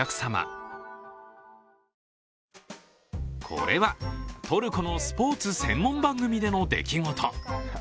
これはトルコのスポーツ専門番組での出来事。